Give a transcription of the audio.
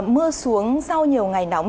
mưa xuống sau nhiều ngày nóng